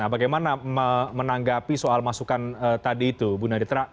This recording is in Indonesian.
bagaimana menanggapi soal masukan tadi itu bu nadia